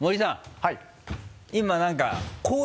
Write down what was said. はい。